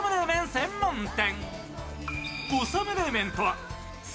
専門店。